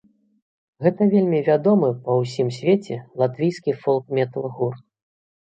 Гэта вельмі вядомы па ўсім свеце латвійскі фолк-метал-гурт.